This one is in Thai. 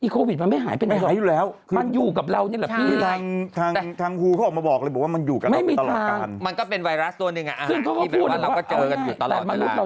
เขาบอกแล้วไงว่าอิโควิดมันไม่หายไปน่ะ